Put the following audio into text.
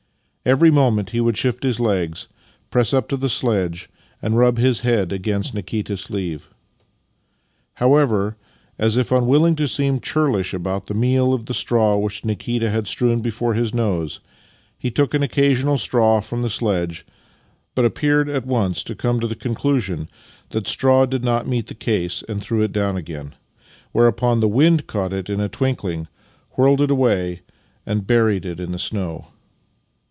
Every moment he Master and Man 39 would shift his legs, press up to tlie sledge, and rub his head against Nikita's sleeve. However, as if un willing to seem churlish about the meal of straw which Nikita had strewn before his nose, he took an occasional straw from the sledge, but appeared at once to come to the conclusion that straw did not meet the case, and tlirew it down again; whereupon the wind caught it in a twinkling, whirled it away, and buried it in the snow.